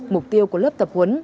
mục tiêu của lớp tập huấn